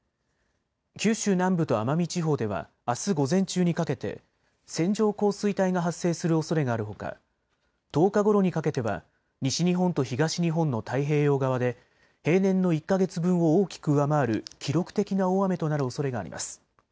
九州南部と奄美地方ではあす午前中にかけて線状降水帯が発生するおそれがあるほか１０日ごろにかけては西日本と東日本の太平洋側で平年の１か月分を大きく上回る記録的な大雨となるおそれがあります。